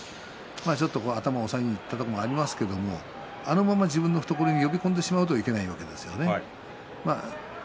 ちょっと頭を押さえにいったところもありますがあのまま自分の懐に呼び込んでしまうといけないわけです。